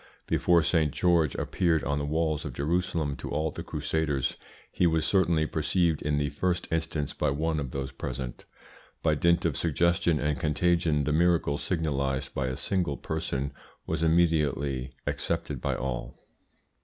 Before St. George appeared on the walls of Jerusalem to all the Crusaders he was certainly perceived in the first instance by one of those present. By dint of suggestion and contagion the miracle signalised by a single person was immediately accepted by all.